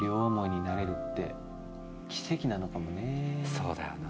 そうだよな。